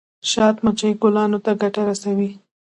شات مچۍ ګلانو ته ګټه رسوي